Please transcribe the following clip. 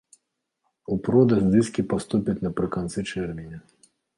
У продаж дыскі паступяць напрыканцы чэрвеня.